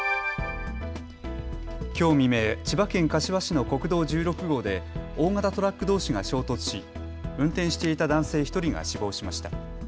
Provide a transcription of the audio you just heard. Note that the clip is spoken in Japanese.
きょう未明、千葉県柏市の国道１６号で大型トラックどうしが衝突し運転していた男性１人が死亡しました。